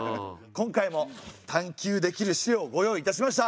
今回も探究できる資料をご用意いたしました。